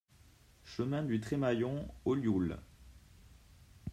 Chemin du Tremaillon, Ollioules